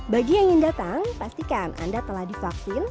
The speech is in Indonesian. bagi yang ingin datang pastikan anda telah divaksin